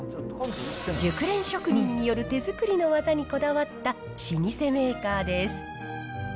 熟練職人による手作りの技にこだわった老舗メーカーです。